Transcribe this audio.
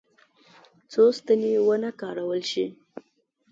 څو ستنې ونه کارول شي.